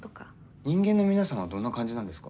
人間の皆さんはどんな感じなんですか？